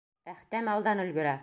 Әхтәм алдан өлгөрә.